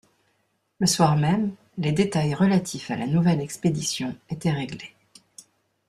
Le soir même, les détails relatifs à la nouvelle expédition étaient réglés.